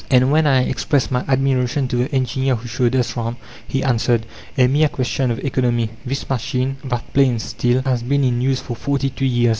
And when I expressed my admiration to the engineer who showed us round, he answered "A mere question of economy! This machine, that planes steel, has been in use for forty two years.